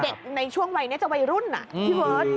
เด็กในช่วงวัยจะวัยรุ่นน่ะที่เวิร์ท